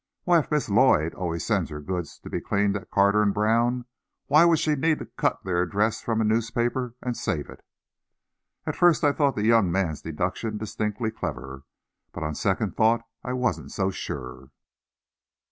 "Why, if Miss Lloyd always sends her goods to be cleaned to Carter & Brown, why would she need to cut their address from a newspaper and save it?" At first I thought the young man's deduction distinctly clever, but on second thought I wasn't so sure.